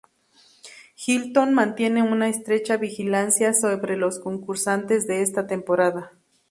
Hilton mantiene una estrecha vigilancia sobre los concursantes de esta temporada.